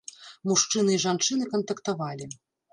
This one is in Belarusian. Мужчыны і жанчыны кантактавалі.